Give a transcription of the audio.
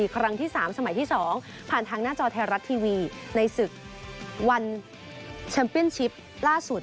ครั้งที่๓สมัยที่๒ผ่านทางหน้าจอไทยรัฐทีวีในศึกวันแชมเปียนชิปล่าสุด